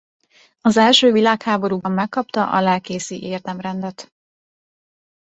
Az első világháborúban megkapta a lelkészi érdemrendet.